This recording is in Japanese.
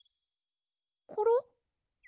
コロ？